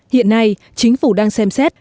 hiện nay chính phủ đang xem xét